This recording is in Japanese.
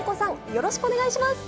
よろしくお願いします！